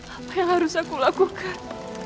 apa yang harus aku lakukan